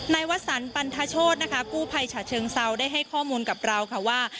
วสันปันทโชธนะคะกู้ภัยฉะเชิงเซาได้ให้ข้อมูลกับเราค่ะว่า